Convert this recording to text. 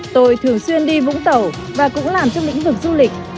tôi thường xuyên đi vũng tàu và cũng làm trong lĩnh vực du lịch